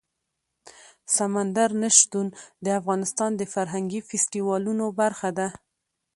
سمندر نه شتون د افغانستان د فرهنګي فستیوالونو برخه ده.